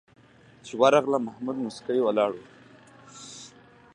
چې ورغلم محمود موسکی ولاړ و.